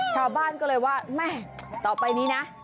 ชาวบ้านก็เลยว่าแม่ต่อไปนี้นะ